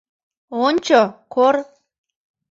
Ончо, Кор...